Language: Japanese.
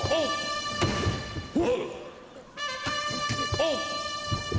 あっ。